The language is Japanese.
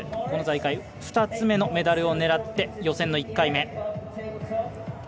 この大会２つ目のメダルを狙って予選の１回目。